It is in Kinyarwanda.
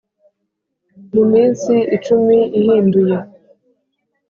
Mu minsi icumi uhinduye